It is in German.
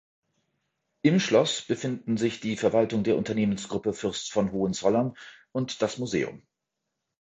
Im Schloss befinden sich die Verwaltung der Unternehmensgruppe Fürst von Hohenzollern und das Museum.